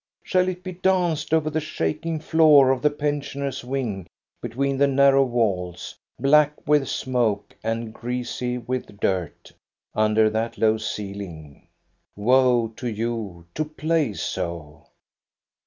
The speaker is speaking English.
Shall it be .danced over the shaking floor of the pensioners' wing, between the narrow walls, black with smoke and greasy with dirt, under that low ceiUng? Woe to you, to play so.